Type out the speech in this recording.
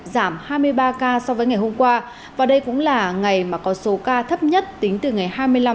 giảm hai mươi ba ca so với ngày hôm qua và đây cũng là ngày mà có số ca thấp nhất tính từ ngày hai mươi năm tháng hai tới nay